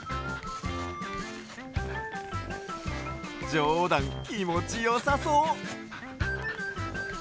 ジョーダンきもちよさそう！